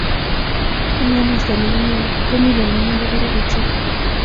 Eng komosta negimenye komi lolongindo barak ochei